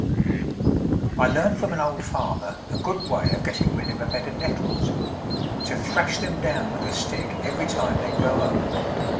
I learnt from an old farmer a good way of getting rid of a bed of nettles to thrash them down with a stick every time they grow up.